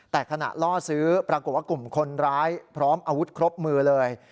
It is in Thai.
แต่ขณะล่อซื้อปรากฏว่ากลุ่มคนร้ายพร้อมอาวุธครบมือเลย